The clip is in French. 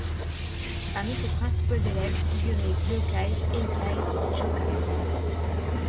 Parmi ses principaux élèves figuraient Gyōkai, Eikai et Chōkai.